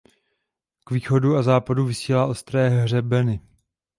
K východu a západu vysílá ostré hřebeny.